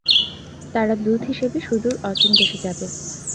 তারা দূত হিসাবে সুদূর অচিন দেশে যাবে।